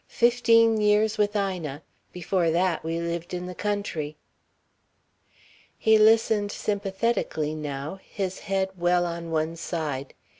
Fifteen years with Ina. Before that we lived in the country." He listened sympathetically now, his head well on one side.